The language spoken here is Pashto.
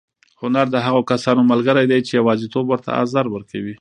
هنر د هغو کسانو ملګری دی چې یوازېتوب ورته ازار ورکوي.